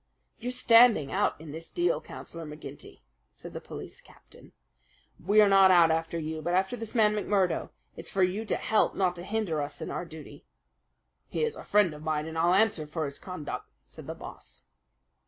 "You're standing out in this deal, Councillor McGinty," said the police captain. "We are not out after you, but after this man McMurdo. It is for you to help, not to hinder us in our duty." "He is a friend of mine, and I'll answer for his conduct," said the Boss.